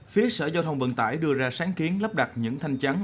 phía sở giao thông vận tải đưa ra sáng kiến lắp đặt những thanh chắn